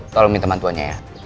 tolong minta mantuannya ya